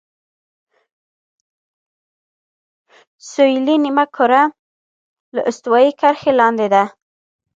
سویلي نیمهکره له استوایي کرښې لاندې ده.